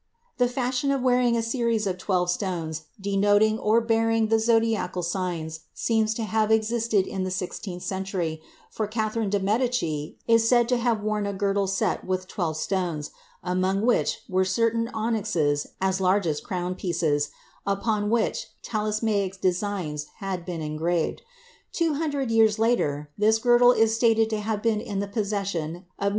] The fashion of wearing a series of twelve stones denoting (or bearing) the zodiacal signs seems to have existed in the sixteenth century, for Catherine de' Medici is said to have worn a girdle set with twelve stones, among which were certain onyxes as large as crownpieces, upon which talismanic designs had been engraved. Two hundred years later this girdle is stated to have been in the possession of a M.